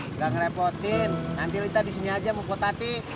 nggak ngerepotin nanti lita di sini aja mau potati